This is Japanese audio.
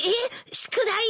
宿題？